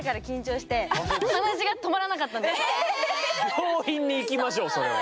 病院に行きましょうそれは。